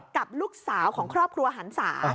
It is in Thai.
กับลูกสาวของครอบครัวหันศา